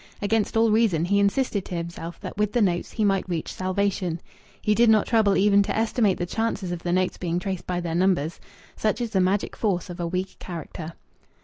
Against all reason he insisted to himself that with the notes he might reach salvation. He did not trouble even to estimate the chances of the notes being traced by their numbers. Such is the magic force of a weak character.